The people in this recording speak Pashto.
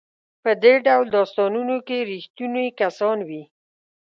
په دې ډول داستانونو کې ریښتوني کسان وي.